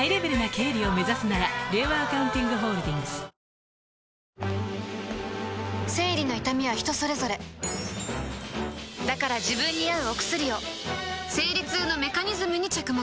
２１生理の痛みは人それぞれだから自分に合うお薬を生理痛のメカニズムに着目